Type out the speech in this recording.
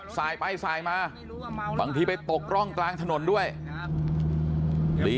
สายไปสายมาบางทีไปตกร่องกลางถนนด้วยดี